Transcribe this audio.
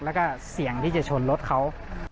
แล้วก็เสี่ยงที่จะชนรถเขา